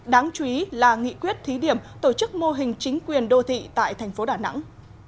đáng chú ý là nghị quyết thí điểm tổ chức mô hình chính quyền đô thị tại thành phố đà nẵng